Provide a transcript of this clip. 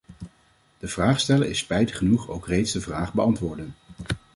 De vraag stellen is spijtig genoeg ook reeds de vraag beantwoorden.